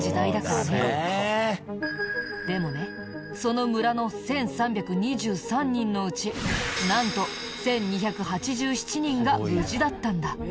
でもねその村の１３２３人のうちなんと１２８７人が無事だったんだ。